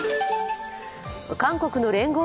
韓国の聯合